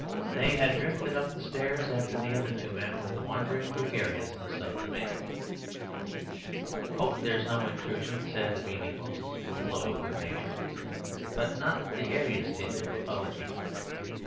They had drifted up the stairs after the other two men with the wandering gregariousness of the male. "Hope there's no intrusion," said the beaming Moses with a glow of good nature, but not the airiest tinge of apology.